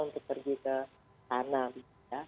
untuk pergi ke tanah